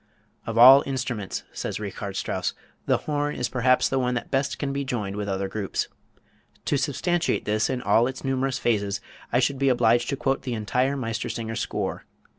"Of all instruments," says Richard Strauss, "the horn is perhaps the one that best can be joined with other groups. To substantiate this in all its numerous phases, I should be obliged to quote the entire 'Meistersinger' score.